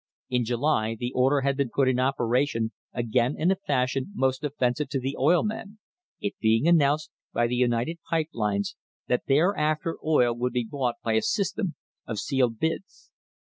In July the order had been put in operation again in a fashion most offensive to the oil men, it being an nounced by the United Pipe Lines that thereafter oil would be bought by a system of sealed bids.